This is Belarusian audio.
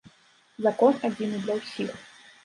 Закон адзіны для ўсіх.